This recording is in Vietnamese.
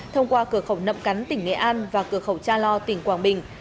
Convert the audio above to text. thông qua cửa khẩu nậm cắn tỉnh nghệ an và cửa khẩu cha lo tỉnh quảng bình